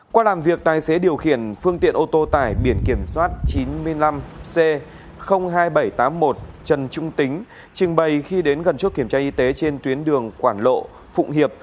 qua làm việc tài xế điều khiển phương tiện ô tô tải biển kiểm soát chín mươi năm c hai nghìn bảy trăm tám mươi một trần trung tính trình bày khi đến gần chốt kiểm tra y tế trên tuyến đường quảng lộ phụng hiệp